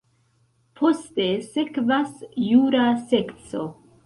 Poste sekvas jura sekco.